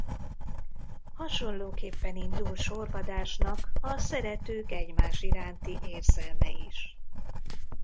Hasonlóképpen indul sorvadásnak a szeretők egymás iránti érzelme is.